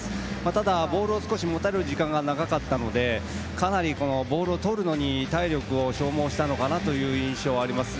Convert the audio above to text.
ただボールを持たれる時間が長かったのでかなりボールをとるのに体力を消耗した印象があります。